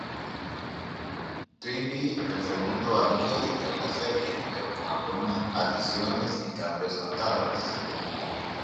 TwinBee", el segundo arcade en la serie, pero con algunas adiciones y cambios notables.